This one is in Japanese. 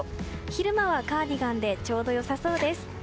昼間はカーディガンでちょうどよさそうです。